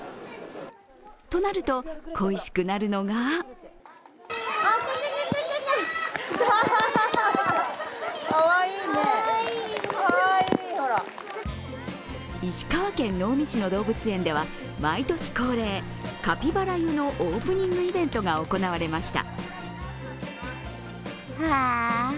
となると、恋しくなるのが石川県能美市の動物園では毎年恒例、カピバラ湯のオープニングイベントが行われました。